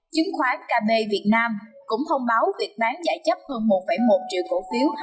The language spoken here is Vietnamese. chứng khoán kb việt nam cũng thông báo việc bán chạy chấp hơn một một triệu cổ phiếu